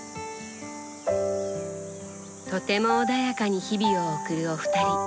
とても穏やかに日々を送るお二人。